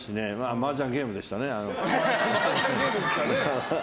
マージャンはゲームでしたね。